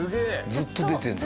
ずっと出てるんだ。